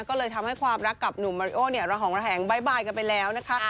ก็เลยทำให้ความรักกับหนุ่มมาริโอเนี่ยระหองระแหงบ๊ายบายกันไปแล้วนะคะ